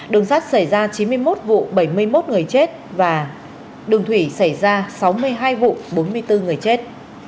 đường sắt xảy ra chín mươi một vụ bảy mươi một người chết và đường thủy xảy ra sáu mươi hai vụ bốn mươi bốn người chết